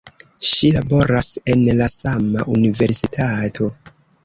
Ŝi laboras en la sama universitato.